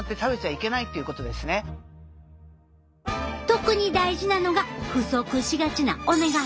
特に大事なのが不足しがちなオメガ３。